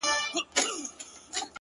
دا ټپه ورته ډالۍ كړو دواړه ـ